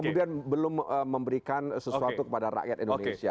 dan kemudian belum memberikan sesuatu kepada rakyat indonesia